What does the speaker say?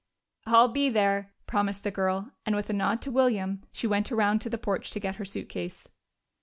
"I'll be there!" promised the girl, and with a nod to William, she went around to the porch to get her suitcase.